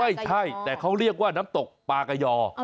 ไม่ใช่แต่เขาเรียกว่าน้ำตกปลากะยอ